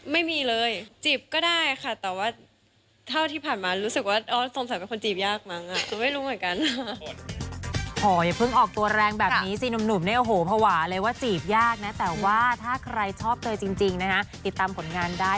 ไม่มีเลยจีบก็ได้ค่ะแต่ว่าเท่าที่ผ่านมารู้สึกว่าอ๋อสงสัยเป็นคนจีบยากมั้งอ่ะ